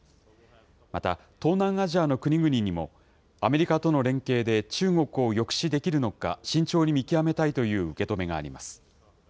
また、東南アジアの国々にも、アメリカとの連携で中国を抑止できるのか慎重に見極めたいという受け止めがあります。